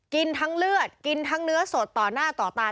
กินทั้งเลือดกินทั้งเนื้อสดต่อหน้าต่อตา